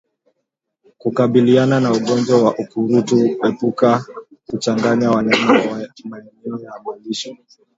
Kukabiliana na ugonjwa wa ukurutu epuka kuchanganya wanyama maeneo ya malisho